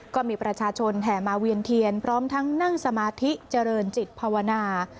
ก็มีประชาชนแห่มาเวียนเทียนพร้อมทั้งนั่งสมาธิเจริญจิตภาวนา